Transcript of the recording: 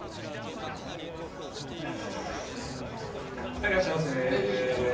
はいいらっしゃいませ。